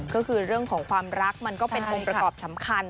ก็คือเรื่องของความรักมันก็เป็นองค์ประกอบสำคัญ